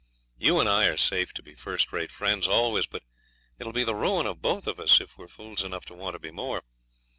You and I are safe to be first rate friends always, but it will be the ruin of both of us if we're fools enough to want to be more.